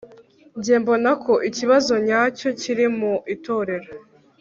jye mbona ko ikibazo nyacyo kiri mu itorero